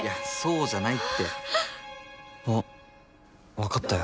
分かったよ。